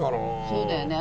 そうだよね